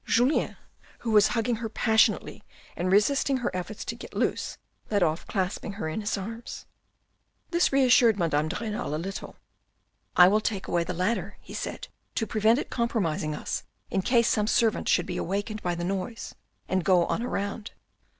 Julien, who was hugging her passionately and resisting her efforts to get loose, left off clasping her in his arms. This reassured Madame de Renal a little. " I will take away the ladder," he said, " to prevent it com promising us in case some servant should be awakened by the noise, and go on a round."